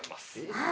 はい。